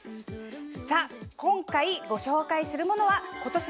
さぁ今回ご紹介するものは今年。